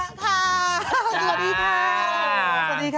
สวัสดีค่ะ